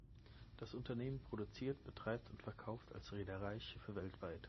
Das Unternehmen produziert, betreibt und verkauft als Reederei Schiffe weltweit.